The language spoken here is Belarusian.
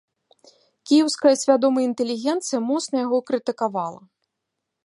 Кіеўская свядомая інтэлігенцыя моцна яго крытыкавала.